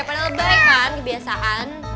pada lebay kan kebiasaan